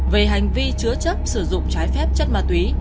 về hành vi chứa chấp sử dụng trái phép chất ma túy